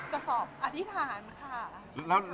จะสอบอธิษฐานค่ะ